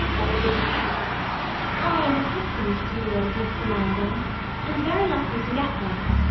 ELLIE. I am accustomed to meals, Mr Mangan, and very lucky to get them.